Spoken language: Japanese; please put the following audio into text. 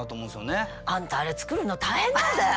あんたあれ作るの大変なんだよ！